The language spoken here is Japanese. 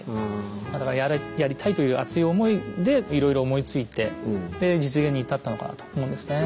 だからやりたいという熱い思いでいろいろ思いついて実現に至ったのかなと思うんですね。